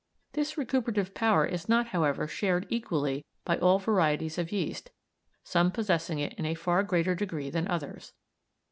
This recuperative power is not, however, shared equally by all varieties of yeast, some possessing it in a far greater degree than others.